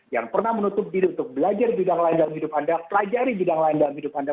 yang pernah menutup diri untuk belajar di bidang lain dalam hidup anda pelajari bidang lain dalam hidup anda